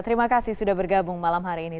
terima kasih sudah bergabung malam hari ini